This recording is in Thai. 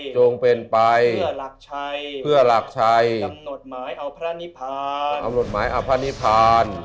จงเป็นไปเพื่อหลักชัยตำหนดหมายอพระนิพพาน